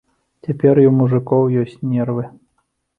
Цяпер і ў мужыкоў ёсць нервы.